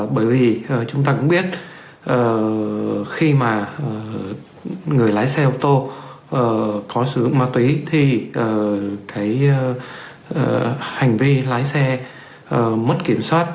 bởi vì chúng ta cũng biết khi mà người lái xe ô tô có sử dụng ma túy thì cái hành vi lái xe mất kiểm soát